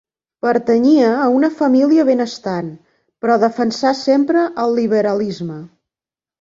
Pertanyia a una família benestant, però defensà sempre el liberalisme.